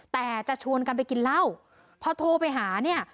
แต่จะชวนกันไปกินเหล้าพอโทรไปหาเนี่ย